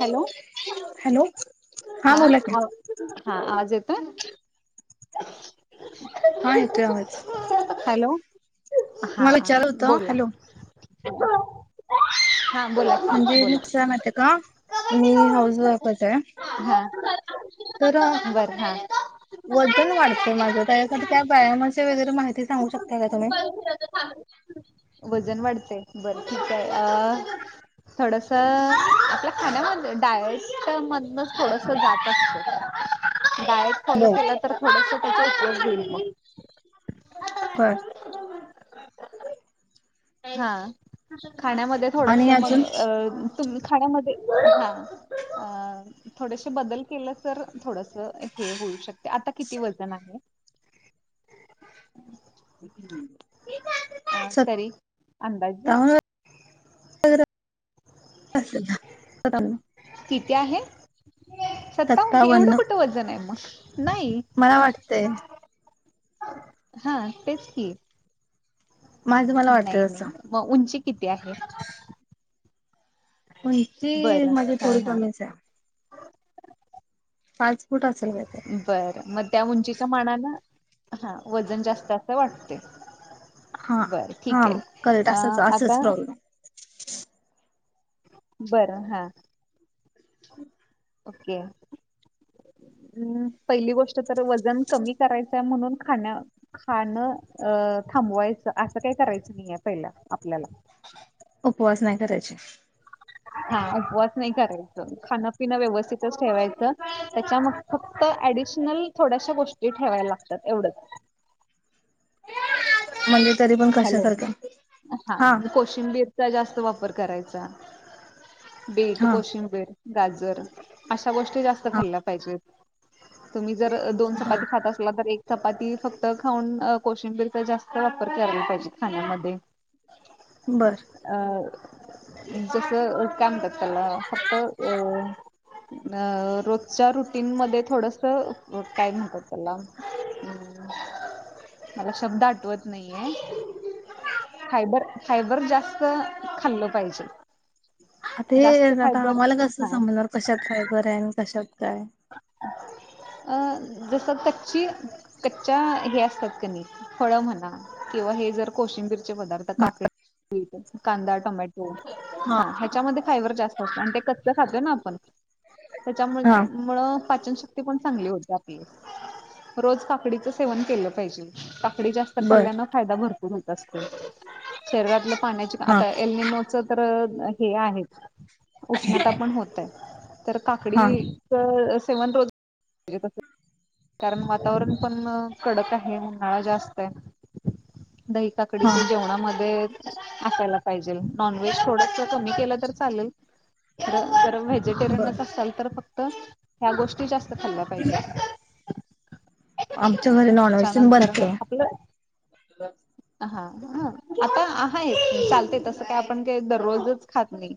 Hello hello हा बोला की. हा आवाज येतोय. [inaudible] हा येतोय आवाज. हॅलो हा मला विचारायचं होतं. बोला हॅलो. [unintelligible] की म्हणजे बोला नुकसानत का मी हाऊस वाईफचे. हा बर हा. वजन वाढत माझ, त्यासाठी त्या वयामाच्या वगैरे माहिती सांगू शकता का तुम्ही? बर ठीकाय थोडस आपल्या खाण्यामध्ये डायटमधनच थोडस जात असत. डायट तर बर थोड त्या ह. बर. हा. खाण्यामध्ये थोडंस आणि अजून मग तुम्ही खाण्यामध्ये हा थोडेसे बदल केलं तर थोडस हे होऊ शकते आता किती? किती वजन आहे? हम्. तरी अंदाजे सत्तावन्न [inaudible] किती आहे? सत्तावन म्हणजे एवढं सत्तावन्न कुठं वजण आहे मग? नाही मला वाटतेय. हा तेच की माझं मला नाही वाटतंय तसं नाही मग उंची किती आहे? उंची बरं माझी हा थोडी हा कमीचाय. पाच फुट अस बरं मग त्या उंचीच्या मानानं हा वजन जास्त असं वाटतय. हा हा मग करेक्ट असच असच आता प्रॉब्लेम बरं हा. ह. ओके् पहिली गोष्ट तर वजन कमी करायचंय म्हणून खाण्या खाणं अ थांबवायचं असं काही करायचं नईय पहिल्या आपल्याला उपवास नाय करायचे. हा उपवास नई करायचं खाणपिन व्यवस्थितच ठेवायचं त्याच्या मध्ये फक्त ऍडिशनल थोड्याश्या गोष्टी ठेवायला लागतात एवढच म्हणजे तरी पण हॅलो कशासारखं हा कोशिंबीरचा जास्त वापर करायचा. बीट हा कोशिंबीर गाजर अशा गोष्टी जास्त हा खाल्ल्या पाहिजेत. तुम्ही जर दोन बर चपाती खात असला तर एक चपाती फक्त खाऊन कोशिंबीरचा जास्त वापर करायला पाहिजे खाण्यामध्ये बर अं जस कामतात त्याला फक्त अ अ रोजच्या रुटीन मध्ये थोडस काय म्हणतात त्याला मला शब्द आठवत नाहीये फायबर फायबर जास्त खाल्लं पाहिजे. आता ते जास्त आता फायबर आम्हाला कस हा समजणार कशात फायबरय आणि कशात? काय अ जसं कच्ची कच्च्या हे असतात कणी फळं म्हणा किंवा हे जर कोशिंबीर चे पदार्थ आता काकडी कांदा टो टोमॅटो हा ह्याच्यामध्ये फायबर जास्त असतो आणि ते कच्च खातो ना आपण त्याच्यामुळे हा पाचनशक्ती पण चांगली होत्या आपली रोज काकडीच सेवन केलं पाहिजे काकडी जास्त बर खाल्ल्यान फायदा भरतो बहत असते शरीरातलं पाण्याची हा आता एल नी नो च तर हे आहेच उष्णता पण होतय तर काकडी हा सेवन रोज कारण वातावरण पण कडक आहे हा जास्ताय दही हा काकडीचे जेवणामध्ये असायला पाहिजे नॉनव्हेज थोडस कमी केलं तर चालल बर व्हेजिटेरियनच असाल तर फक्त ह्या गोष्टी जास्त खाल्ल पाहिजे आमच्या घरी नॉनव्हेज पण त्याच्यानंतर न बनते आपलं हा ह आता आहेय चालतेसं काय आपण का दररोजच खात नाही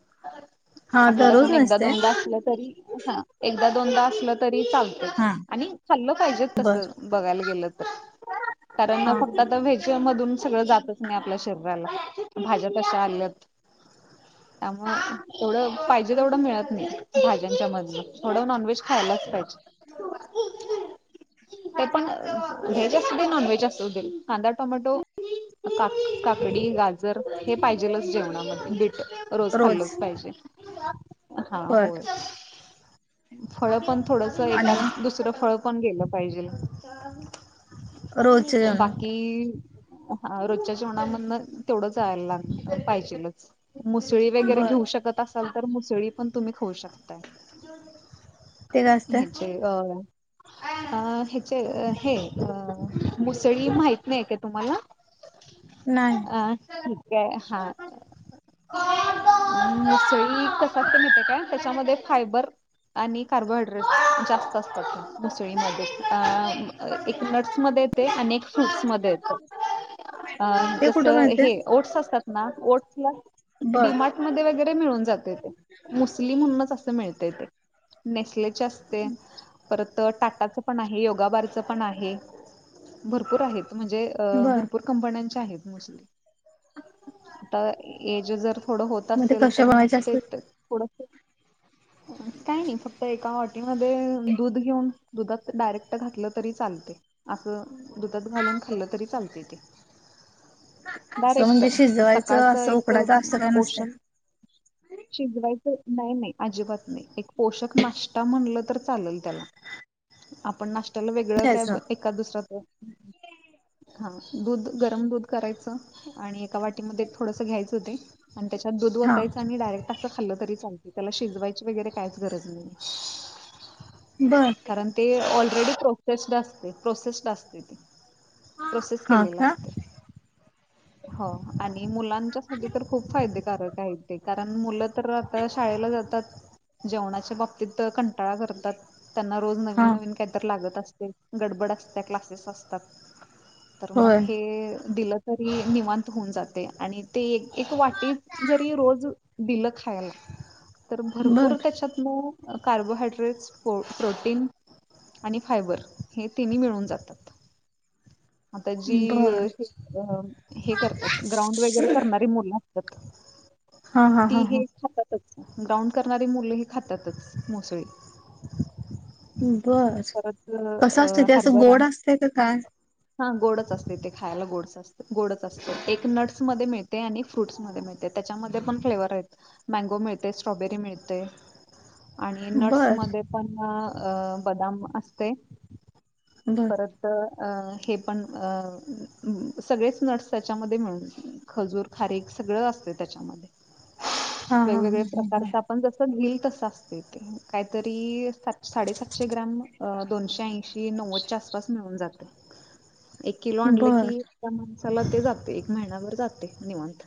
हा दररोज आठवड्यातुून एकदा नसते दोनदा असलं तरी हा एकदा दोनदा असल तरी चाल हा चाल पाहिजे त बर बघायला गे तर कारण हा फक्त हा सगळ जात नाही आपल्या शरी भाज्याश आल्या त्यामुळेड पाहिजे तेढ मिळत नाही भा मध डॉनवज खायलाजेण वज अस नन वज अस टमॅटो का काकडी गाजर हे पाहिजेलच जेवणामध्ये रोज खाल्लच पाहिजे ह हा बर होय फळपंत थोडंसं एका आणि दुसरं फळ कोण गेलं पाहिजे रोजच्या जेवणात बाकी हा रोजच्या जेवणामधन तेवढंचयला लाग पाहिजेलच मुसळी वगैरे बर घेऊ शकत अस असल तर मुसळी पण तुम्ही खऊ शकता ते काय असते हचे अ अ ह्याच्या हे अ मुसळी माहत नाही का तुम्हाला नाही अ हा मुसळी कसा मिते काय त्याच्यामध्ये फायबर आणि कार्बोहायड्रेट जास्त असतात मुसळीमध्ये अ एक नट्स मध्ये येत आणि फ्रूट्स मध्ये अ ते जस कुठे मिळते हे ओट्स असतात ना ओटला बर डीमार्ट मध्ये वगैरे मिळून जात मुस्लिम म्हणून अस मिळत नेकलेस अस परत तर टाटाचं पण आहे योगाबारचं पण आहे भरपूर आहेत म्हणजे बर भरपूर कंपन्यां मोस्ली आता ज जर थोडं होत मग ते असेल कशा तर बनवायचे मग ते असते थोडं काही नाही फक्त एका वाट ते दुध किऊन दुधात डायरेक्ट घातलं तरी चालतय असं दुधात घालून खाल्ल तरी चालतंय ते असं म्हणजे बरकच शिजवायचं सकाळच असं एक उकडायचं असं काय नसतं पोषण शिजवायचं नाही नाही अजिबात एक पोषक नाष्टा म्हणलं तर चालेल‌ त्यला आपण नाष्टा वेगळं काय घ्यायचं एका दुसराच हा दूध गरम दूध करायचं आणि एका वाटीमध्ये थोडस घ्यायचं ते आणि त्याच्यात दूध हा वतायचं आणि डायरेक्ट खाल्लं तरी चालते त्याला शिजवायची वगैरे कायच गरज नाहीये बर कारण ते ओल रेडी प्रोसेस्ड असते प्रोसेस्ड असते ती प्रोसेस हा केलेलं का असतयं हा आणि मुलांच्या साठी तर खूप फायदेकारक आहे ते कारण... मुलं तर आता शाळेला जातात जेवणाच्या बाबतीत तर कंट.. टाळा करतात त्यांना रोज हा नवीन नवीन कायतरी लागत अस गडबड असतीया क्लासेस असतात. तर मग होय हे दिलं.. तरी निवांत होऊन जातयं आणि ते एक एक वाटी जरी रोज दिलं खायाला.... तर भरपूर बर त्याच्यातन.. कार्बोहायड्रेट्स प्रो प्रोटीन आणि फायबर हे तिन्ही मिळून जातात. आता जी य बर हे करतात ग्राउंड वगैरे करणारी मुलं... हा हा [inaudible] ती हा हा हे खात्यातच ग्राउंड करणारी मुलंही खात्यातच मोस्टली बर कसं असतंय अ, ते असं हरभरा गोड असतयं का काय? हा गोडच असतयं ते खायला गोडच असतयं गोडच असत एक नट्स मध्ये मिळते आणि फ्रूट्स मध्ये मिळते त्याच्यामध्ये पण फ्लेवर हायत मँगो मिळतयं स्ट्रॉबेरी मिळतयं. आणि नट्स बर मधे पण अ.. अ बदाम असतयं. बर परत.. अ.. हे पण सगळेच नट्स त्याच्यामध्ये मिळून खजूर खारीक सगळं असतंय त्याच्यामधे.. हा हा वेगवेगळे हा हा हा प्रकारचं आपण जस घील.. त अस काहीतरी साडेसातशे ग्राम दोनशे ऐशी नव्वद आसपास मिळून जाते... एक किलो आणलं की... बर चला ते जाते एक महिनाभर जाते निवांत..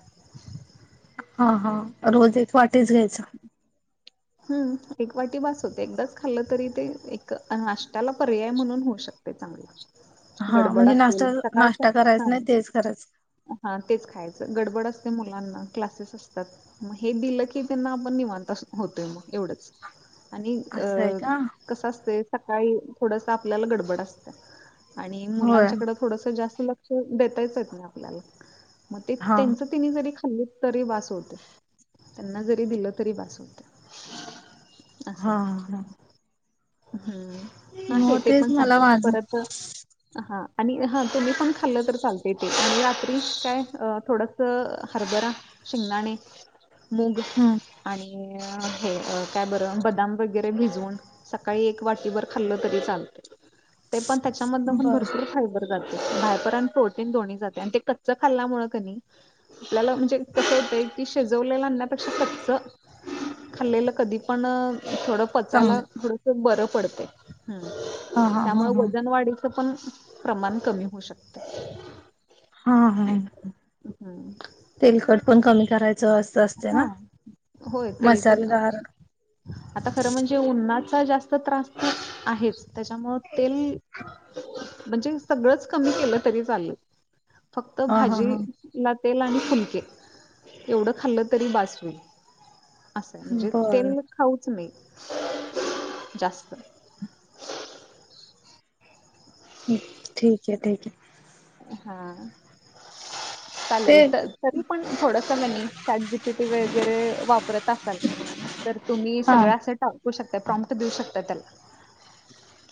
हा हा रोजे... वाटेच घ्यायचा... हम्म एक वाटी बास होते एकदाच खाल्लं तरी ते एक नाष्ट्याला पर्याय म्हणून होऊ शकते चांगल.. हा म्हणजे नाशता नाश्ता करायच हा नाही तेच करायच.. हा तेच खायचं गडबड असते मुलांना क्लासेस असतात मग हे दिलं की... की त्यांना आपण निवांता होतोय मग एवढंच.... आणि अ असं आहे का कस असतय सकाळी थोडस आपल्याला गडबड असतं... आणि होय मुलांच्याकडें थोडसं जास्त... लक्ष देतायच आहेत ना आपल्याला... मग ते हा त्यांच त्यांनी जरी... [unintelligible] ल्ली तरी बास होतय त्यांना जरी दिलं तरी बास होतय. हा हा हम् आहे मग ते तेच पण मला चांगलं माझं परत हा आणि हा ते मी पण खाल्लं तर चालत [unintelligible] ते [inaudible] आणि रात्री काय थोडं हरभरा, शेंगदाणे मुग हम्म आणि हे काय बरं बदाम वगैरे भिजवून सकाळी एक वाटीभर खाल्लं तरी चालतय. ते पण त्याच्यामध्ये पण बर भरपूर [inaudible] फायबर [unintelligible] फायबरर आणि प्रोटीन दोन् जाते ते कच्च खाल्ल्यामुळे क आपल्याला [inaudible] म्हणजे कस होत की शेजवलेलं अपेक्षा कचच खाल्लं कधी पण थोडं चांगलं पचायला थोडं खूप बरं पडतंय हम् हा हा हा त्यामुळे हा वजन वाढी [unintelligible] पण प्रमाण कमी होऊ शकत. हा हा तेलकट पण कमी करायचं अस हा होय तेलकट मसालेदार आता खरं म्हणजे उन्हात जास्त त्रास आहेच. त्याच्यामुं तेल म्हणजे सगळंच कमी केलं तरी चालेल. फक्त हा हा हा भाजी ला तेल आणि फुलके एवढं खाल्लं तरी बास होईल. असं म्हणजे बर तेल खाऊच नाही [inaudible] जास्त ठीक आहे, ठीक आहे. हा [inaudible] [inaudible] ते चालेल तर तरी पण थोडसनी चॅट जीपीटी वगैरे वापरत असाल तर तुम्ही हा सगळं असं टाकू शकता प्रॉमट देऊ शकता त्याला.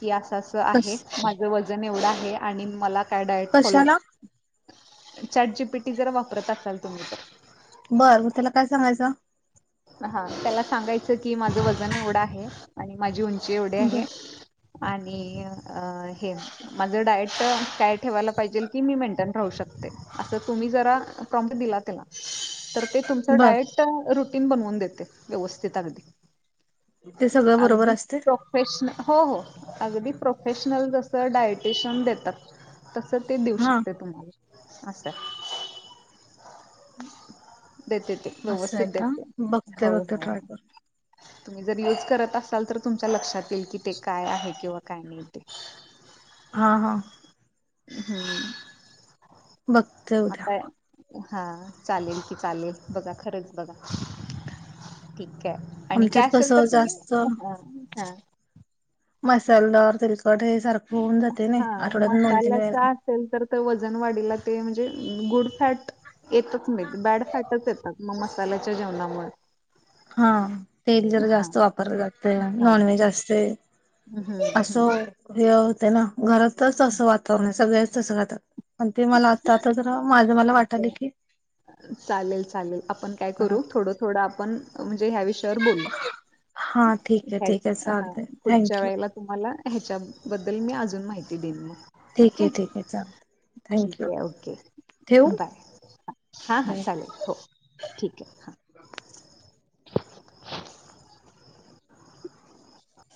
की असं असं कश आहे माझं वजन एवढं आहे [unintelligible] आणि मला काय? कशाला? चॅटजी जीपीटी जर वापरत असाल तुम्ही तर बरं, मग त्याला काय सांगायचं? हा त्याला सांगायचं की माझं वजन एवढं आहे आणि माझी उं एवढे आहे. बर आणि हे माझं डायट का ठेवायलाहिजे की मी में राू शकते असं तुम्ही जरा प्रॉम दिला. त्याला तर ते तुमचं बर डायट तिनबन वंदेते व्यवस्थित अगदीिक ते सगळं बरोबर अगदी असते प्रफेशन अगदी प्र ोफेशनल जसं डायटेशन देतात. तसं ते देऊ हा शकते तुम्हाला असं देतेते असं व्यवस्थित आहे का देत. बघते बघते ट्राय करू. तुम्ही जर यूज करत असाल तर तुमच्या लक्षात येईल की ते काय आहे किंवा काय नव्हते. हा हा हम्म. वक्तव द्या. आता हा चालेल की चालेल बघा खरंच बघा ठीक आणि कॅ आमच्यात असेल तर कसं तुम्ही जास्त हा मसालदार ते [unintelligible] हे सारखं होऊन जाते ना, हा आठवड्यातून दोन तीन वेळा. मसाल्याचा असेल तर वजन वाढीला ते म्हणजे गुड फॅट येतच नाहीत बॅड फॅटच येतात. मग मसाल्यांच्या जेवणामुळे हा तेल जरा हा जास्त वापरलं जातं हा नॉनव्हेज असते. हम्म आसो हम्म हे त्यांना घरातच असं वातावरण आहे. सगळच तसं [inaudible] आणि ते मला आता आता जरा मला ठीक वाटतं [unintelligible] आहे की चालेल चालेल आपण काय करू थोडं थोडं आपण म्हणजे ह्या विषयावर बोलू हा ठीक आहे हं ठीक आहे हा चालते पुढच्या थँक्यू वेळेला तुम्हाला ह्याच्या बद्दल मी अजून माहिती देईन मग ठीक आहे ओके ठीक आहे चाल थँक ठीक यू आहे ओके ठेवू? बाय हां हां बाय चालेल हो ठीक आहे हां. [unintelligible]